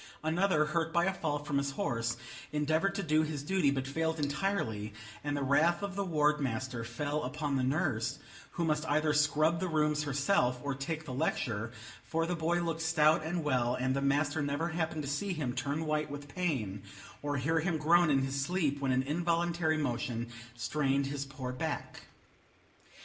Another, hurt by a fall from his horse, endeavored to do his duty, but failed entirely, and the wrath of the ward master fell upon the nurse, who must either scrub the rooms herself, or take the lecture; for the boy looked stout and well, and the master never happened to see him turn white with pain, or hear him groan in his sleep when an involuntary motion strained his poor back.